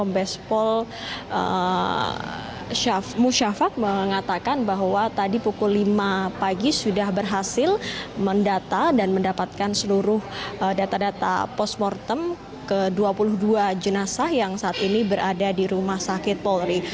bespol musyafak mengatakan bahwa tadi pukul lima pagi sudah berhasil mendata dan mendapatkan seluruh data data postmortem ke dua puluh dua jenazah yang saat ini berada di rumah sakit polri